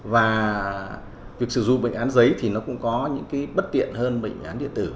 và việc sử dụng bệnh án giấy thì nó cũng có những cái bất tiện hơn bệnh án điện tử